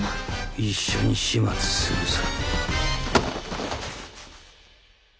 一緒に始末するさ。